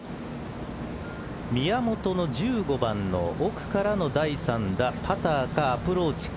宮本の１５番の奥からの第３打パターかアプローチか。